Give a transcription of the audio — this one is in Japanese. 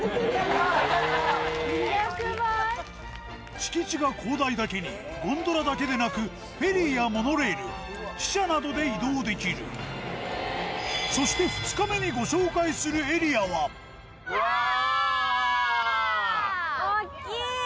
敷地が広大だけにゴンドラだけでなくフェリーやモノレール汽車などで移動できるそして２日目にうわぁ！